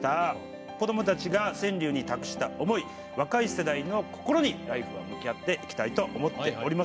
子どもたちが川柳に託した思い若い世代の心に「ＬＩＦＥ！」は向き合っていきたいと思っております。